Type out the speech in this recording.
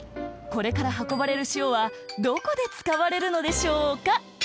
これからはこばれる塩はどこで使われるのでしょうか？